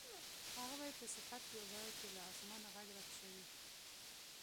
هغه به یې په صفت کې ویل چې له اسمانه غږ راکشوي.